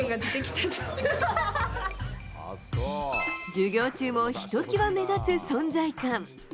授業中もひときわ目立つ存在感。